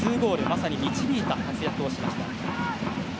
まさに導いた活躍をしました。